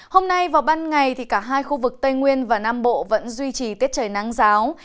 hôm nay vào ban ngày thì cả hai khu vực tây nguyên và nam bộ vẫn duy trì tiết trời nắng giáo